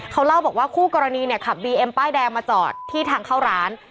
เขาเล่าบอกว่าคู่กรณีเนี่ยขับบีเอ็มป้ายแดงมาจอดที่ทางเข้าร้าน